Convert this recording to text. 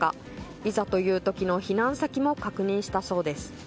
いざという時の避難先も確認したそうです。